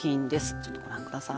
ちょっとご覧ください